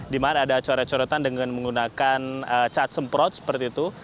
di mana ada coret coretan dengan menggunakan cat semprot seperti itu